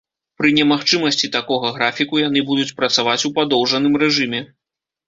Пры немагчымасці такога графіку яны будуць працаваць у падоўжаным рэжыме.